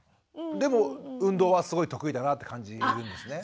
でも運動はすごい得意だなって感じるんですね。